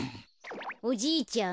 おじいちゃん